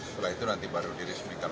setelah itu nanti baru diresmikan